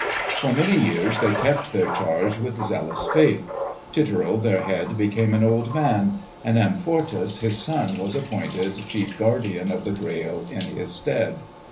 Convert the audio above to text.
For many years they kept their charge with zealous faith. Titurel their head became an old man, and Amfortas his son was appointed chief guardian of the Grail in his stead.